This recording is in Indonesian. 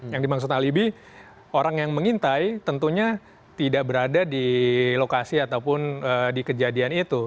yang dimaksud alibi orang yang mengintai tentunya tidak berada di lokasi ataupun di kejadian itu